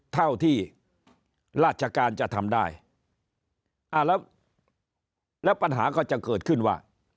เท่าที่ราชการจะทำได้อ่าแล้วแล้วปัญหาก็จะเกิดขึ้นว่า